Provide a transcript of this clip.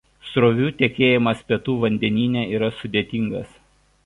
Srovių tekėjimas Pietų vandenyne yra sudėtingas.